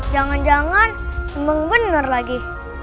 jangan jangan emang bener lagi